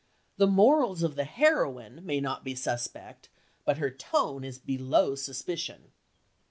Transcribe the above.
The morals of the "heroine" may not be suspect, but her tone is below suspicion.